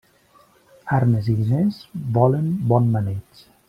Armes i diners, volen bon maneig.